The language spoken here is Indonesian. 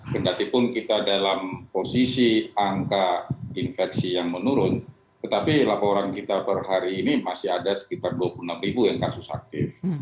kendatipun kita dalam posisi angka infeksi yang menurun tetapi laporan kita per hari ini masih ada sekitar dua puluh enam ribu yang kasus aktif